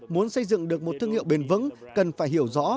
muốn xây dựng được một thương hiệu bền vững cần phải hiểu rõ